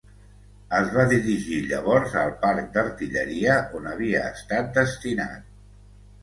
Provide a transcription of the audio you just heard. Es va dirigir llavors al Parc d'Artilleria, on havia estat destinat.